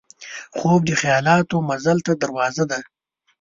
خوب د خیالاتو مزل ته دروازه ده